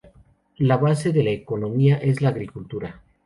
La base de la economía es la agricultura.